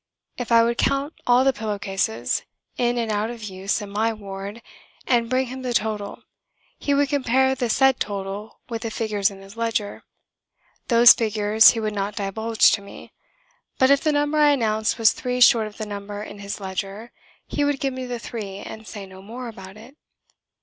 If I would count all the pillow cases, in and out of use, in my ward, and bring him the total, he would compare the said total with the figures in his ledger. Those figures he would not divulge to me. But if the number I announced was three short of the number in his ledger, he would give me the three, and say no more about it.